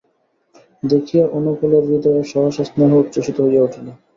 দেখিয়া অনুকূলের হৃদয়েও সহসা স্নেহ উচ্ছ্বসিত হইয়া উঠিল।